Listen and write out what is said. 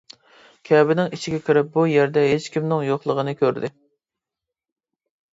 كەبىنىڭ ئىچىگە كىرىپ بۇ يەردە ھېچكىمنىڭ يوقلىغىنى كۆردى.